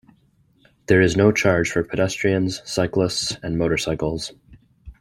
There is no charge for pedestrians, cyclists and motorcycles.